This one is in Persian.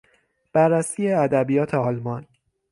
بررسی ادبیات آلمان